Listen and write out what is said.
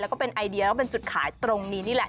แล้วก็เป็นไอเดียแล้วเป็นจุดขายตรงนี้นี่แหละ